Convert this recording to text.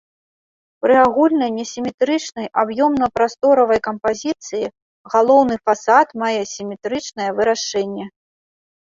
Пры агульнай несіметрычнай аб'ёмна-прасторавай кампазіцыі галоўны фасад мае сіметрычнае вырашэнне.